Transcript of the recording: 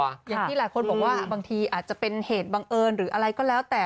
อย่างที่หลายคนบอกว่าบางทีอาจจะเป็นเหตุบังเอิญหรืออะไรก็แล้วแต่